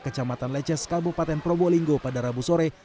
kecamatan leces kabupaten probolinggo pada rabu sore